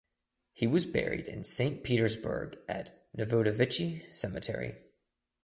He was buried in Saint Petersburg at the Novodevichy Cemetery.